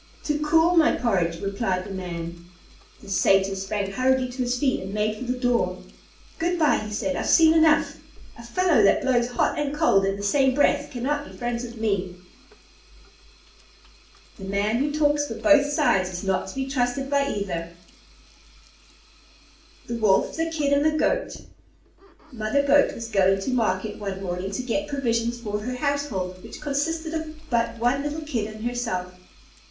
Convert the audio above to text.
"To cool my porridge," replied the Man. The Satyr sprang hurriedly to his feet and made for the door. "Goodby," he said, "I've seen enough. A fellow that blows hot and cold in the same breath cannot be friends with me!" The man who talks for both sides is not to be trusted by either. [Illustration: THE MAN AND THE SATYR] THE WOLF, THE KID, AND THE GOAT Mother Goat was going to market one morning to get provisions for her household, which consisted of but one little Kid and herself.